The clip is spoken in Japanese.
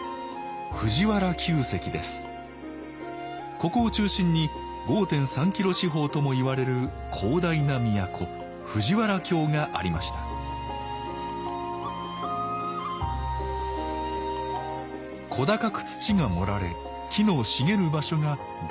ここを中心に５．３キロ四方ともいわれる広大な都藤原京がありました小高く土が盛られ木の茂る場所が大極殿院。